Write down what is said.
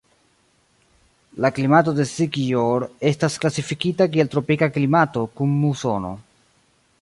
La klimato de Sikijor estas klasifikita kiel tropika klimato kun musono.